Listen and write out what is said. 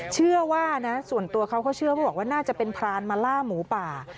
เชื่อว่านะส่วนตัวเขาก็เชื่อว่าบอกว่าน่าจะเป็นพรานมาล่าหมูป่า